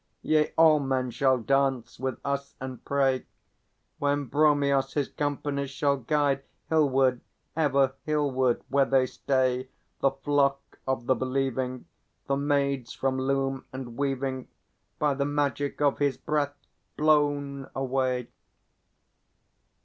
Yea, all men shall dance with us and pray, When Bromios his companies shall guide Hillward, ever hillward, where they stay, The flock of the Believing, The maids from loom and weaving By the magic of his breath borne away.